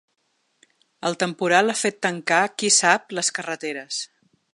El temporal ha fet tancar qui-sap-les carreteres.